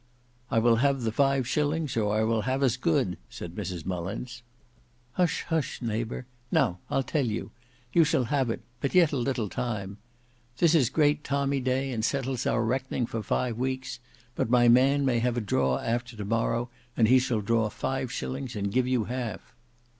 "I will have the five shillings, or I will have as good," said Mrs Mullins. "Hush, hush, neighbour; now, I'll tell you—you shall have it; but yet a little time. This is great tommy day, and settles our reckoning for five weeks; but my man may have a draw after to morrow, and he shall draw five shillings, and give you half."